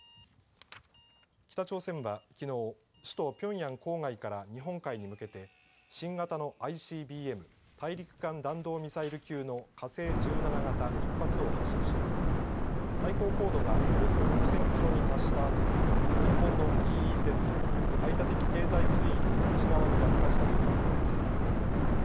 北朝鮮はきのう首都ピョンヤン郊外から日本海に向けて新型のＩＣＢＭ＝大陸間弾道ミサイル級の火星１７型１発を発射し最高高度がおよそ６０００キロに達したあと日本のＥＥＺ＝排他的経済水域の内側に落下したと見られています。